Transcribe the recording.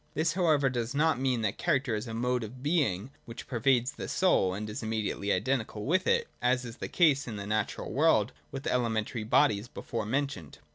This however does not mean that character is a mode of being which per vades the soul and is immediately identical with it, as is the case in the natural world with the elementary bodies before mentioned.